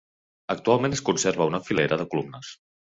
Actualment es conserva una filera de columnes.